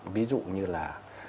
ví dụ như là